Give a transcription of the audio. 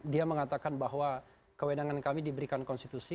dia mengatakan bahwa kewenangan kami diberikan konstitusi